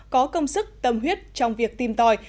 có công sức tâm huyết trong việc tìm tòi